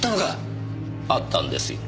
あったんですよ。